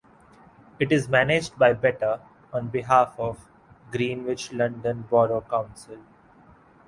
It is managed by Better on behalf of Greenwich London Borough Council.